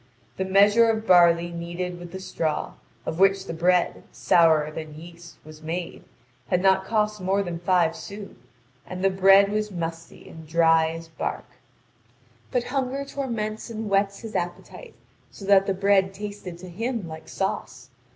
The measure of barley kneaded with the straw, of which the bread, sourer than yeast, was made, had not cost more than five sous; and the bread was musty and as dry as bark. But hunger torments and whets his appetite, so that the bread tasted to him like sauce.